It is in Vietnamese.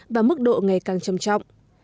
và mức độ ngày càng trầm trọng